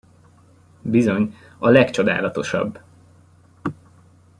Bizony, a legcsodálatosabb!